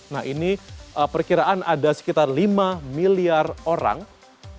nah ini perkiraan ada sekitar lima miliar orang ya dari seluruh dunia